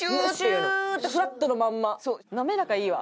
なめらかいいわ。